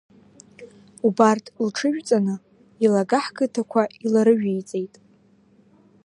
Убарҭ лҽыжәҵаны, илага ҳқыҭақуа иларыжәиҵеит.